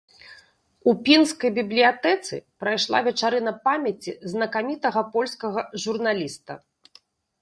У пінскай бібліятэцы прайшла вечарына памяці знакамітага польскага журналіста.